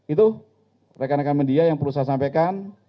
itu rekan rekan media yang perlu saya sampaikan